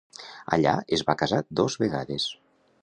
Allà es va casar dos vegades.